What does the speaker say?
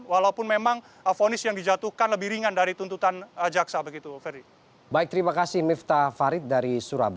walaupun memang avonis yang dijatuhkan lebih ringan dari tuntutan ajaksa begitu baik terima kasih dari